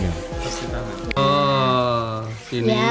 ya kemudian ini tarik tekan